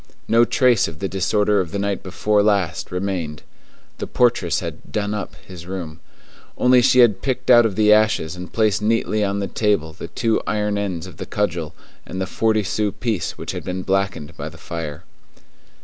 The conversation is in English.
No trace of the disorder of the night before last remained. The portress had "done up" his room; only she had picked out of the ashes and placed neatly on the table the two iron ends of the cudgel and the forty sou piece which had been blackened by the fire.